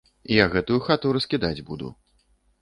Я гэтую хату раскідаць буду.